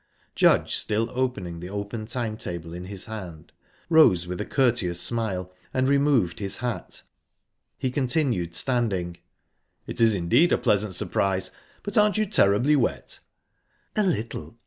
Judge, still holding the open time table in his hand, rose with a courteous smile and removed his hat; he continued standing. "It is indeed a pleasant surprise! But aren't you terribly wet?" "A little...